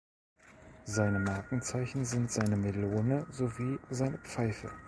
Seine Markenzeichen sind seine Melone sowie seine Pfeife.